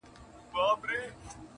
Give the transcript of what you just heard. د باغلیو کروندو ته یې روان کړل -